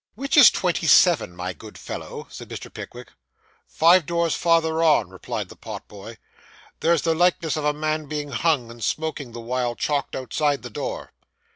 'Which is twenty seven, my good fellow?' said Mr. Pickwick. 'Five doors farther on,' replied the pot boy. 'There's the likeness of a man being hung, and smoking the while, chalked outside the door.